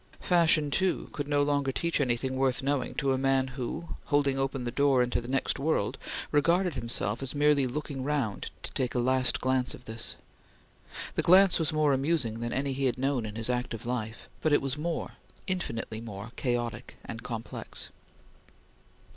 Fashion, too, could no longer teach anything worth knowing to a man who, holding open the door into the next world, regarded himself as merely looking round to take a last glance of this. The glance was more amusing than any he had known in his active life, but it was more infinitely more chaotic and complex.